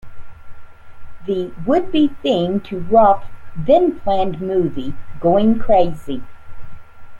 The would-be theme to Roth's then-planned movie, Goin' Crazy!